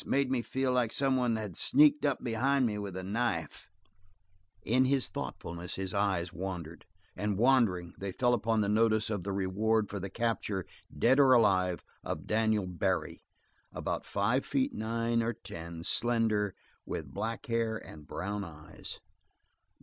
Made me feel like some one had sneaked up behind me with a knife." In his thoughtfulness his eyes wandered, and wandering, they fell upon the notice of the reward for the capture, dead or alive, of Daniel Barry, about five feet nine or ten, slender, with black hair and brown eyes.